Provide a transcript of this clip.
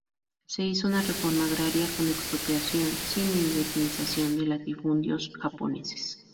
Se hizo una reforma agraria con expropiación sin indemnización de latifundios japoneses.